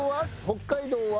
「北海道は？」